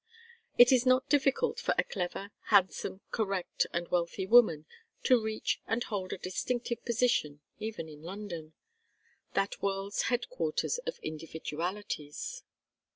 It is not difficult for a clever, handsome, correct, and wealthy woman to reach and hold a distinctive position even in London, that world's headquarters of individualities.